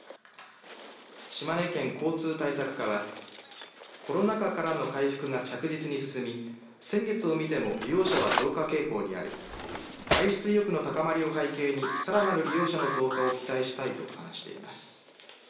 島根県交通対策課はコロナ禍からの回復が着実に進み先月を見ても利用者は増加傾向にある外出意欲の高まりを背景にさらなる利用者の増加を期待したいと話しています。